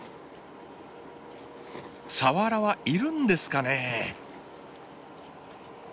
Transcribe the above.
サワラはいるんですかね？